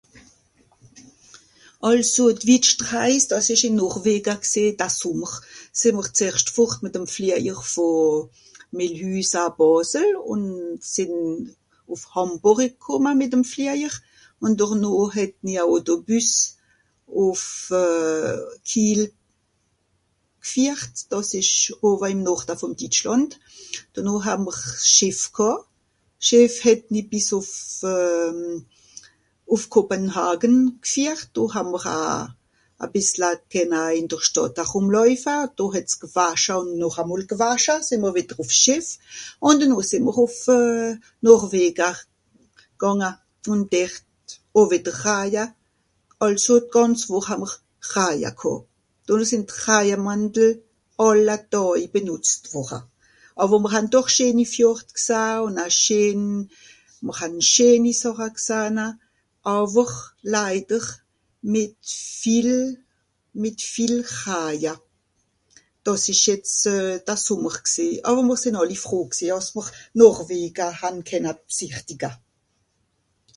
Àlso d'wittscht Reis, dàs ìsch ìn Norvega gsìì, da Sùmmer. Sìì'mr zeerscht fùrt mìt'm Fliajer vo Mìlhüsa-Bàsel ùn sìnn ùf Hàmburi kùmma mìt'm Fliajer, ùn drno oo het ni a Autobüs ùf euh... Kiel gfihrt. Dàs ìsch owa ìm Norda vùn Ditschlànd. Denoh haa'mr Schìff ghàà. Schìff het ni bìs ùf euh... ùf Copenhagen gfihrt. Do haa m'r a... a bìssla kenna ìn d'r Stàdt arùmlàuifa. Do het's gewascha ùn noch a mol gewascha. Sìì'mr wìdder ùf Schìff. Ùn denoh sìì'mr ùf euh... Norverga gànga, ùn dert oo wìdder Raja. Àlso d'Gànz Wùch haa'mr Raja ghàà. (...) sìnn d'Rajamàntel àlla dài benùtzt wùrra. Àwer mìr han doch scheeni Fjord gsah, ùn a scheen... mìr han scheeni Sàcha gsahna, àwer leider mìt viel... mìt viel Raja. Dàs ìsch jetz euh... da Sùmmer gsìì. Àwer mìr sìnn àlli froh gsìì, àss mr Noverga han kenna bsìchtiga.